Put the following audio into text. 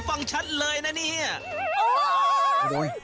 โอ้ยโอ้ย